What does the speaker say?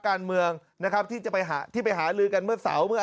การเมืองนะครับที่จะไปหาที่ไปหาลือกันเมื่อเสาร์เมื่อ